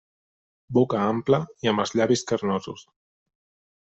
Boca ampla i amb els llavis carnosos.